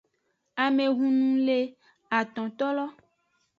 Amehunu le atontolo.